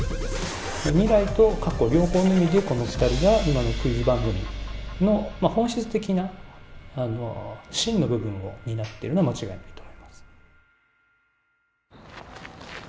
未来と過去両方の意味でこの２人が今のクイズ番組の本質的な芯の部分を担ってるのは間違いないと思います。